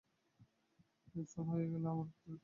এই ফলভোগ হইয়া গেলে তাহারা আবার পৃথিবীতে আসিয়া জন্মগ্রহণ করে।